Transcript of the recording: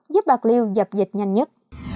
giúp bạc liêu dập dịch nhanh nhất